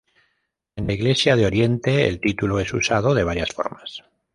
En la Iglesia de Oriente el título es usado de varias formas.